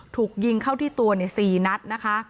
ถูกยิงเข้าที่ตัวเนี่ยสี่นัดนะคะ